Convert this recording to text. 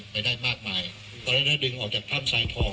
ไปได้มากมายก็ได้ได้ดึงออกจากถ้ำสายทอง